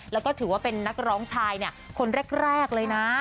แล้วก็ถือว่าเป็นนักร้องชายคนแรกเลยนะ